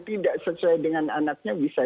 tidak sesuai dengan anaknya bisa